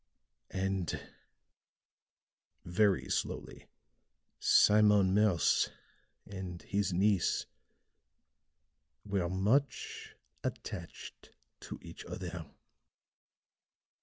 And," very slowly, "Simon Morse and his niece were much attached to each other."